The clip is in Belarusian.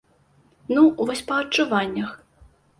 Ну, вось па адчуваннях.